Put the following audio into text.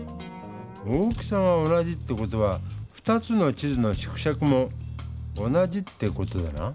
大きさが同じって事は２つの地図の縮尺も同じって事だな。